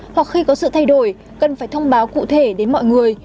hoặc khi có sự thay đổi cần phải thông báo cụ thể đến mọi người